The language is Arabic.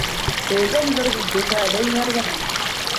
لا يزال جروي الدّب هذيه يرضعان.